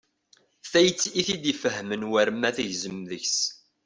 Tayet i t-id-ifahmen war ma tegzem deg-s.